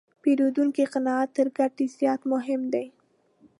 د پیرودونکي قناعت تر ګټې زیات مهم دی.